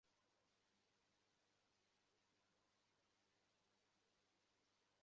ও বললে, যে দিকে তপ্ত হাওয়া শুকনো পাতা ওড়ায় সেই দিকে।